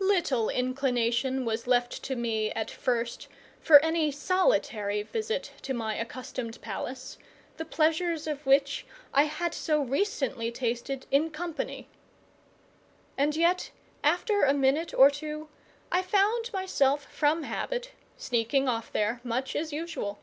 Little inclination was left to me, at first, for any solitary visit to my accustomed palace, the pleasures of which I had so recently tasted in company; and yet after a minute or two I found myself, from habit, sneaking off there much as usual.